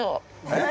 えっ！？